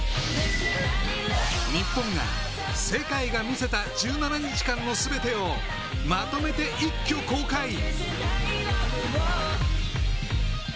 日本が、世界が見せた１７日間の全てをまとめて、一挙公開！